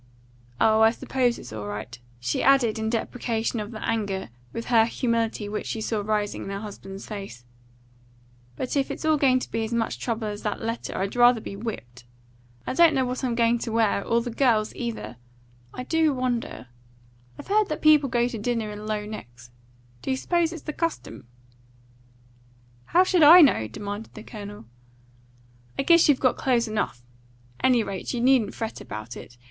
Oh, I suppose it's all right," she added in deprecation of the anger with her humility which she saw rising in her husband's face; "but if it's all going to be as much trouble as that letter, I'd rather be whipped. I don't know what I'm going to wear; or the girls either. I do wonder I've heard that people go to dinner in low necks. Do you suppose it's the custom?" "How should I know?" demanded the Colonel. "I guess you've got clothes enough. Any rate, you needn't fret about it.